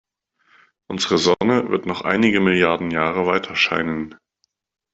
Unsere Sonne wird noch einige Milliarden Jahre weiterscheinen.